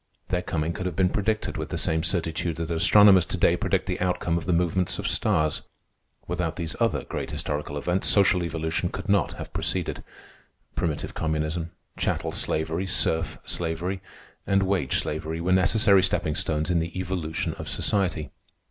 Their coming could have been predicted with the same certitude that astronomers to day predict the outcome of the movements of stars. Without these other great historical events, social evolution could not have proceeded. Primitive communism, chattel slavery, serf slavery, and wage slavery were necessary stepping stones in the evolution of society.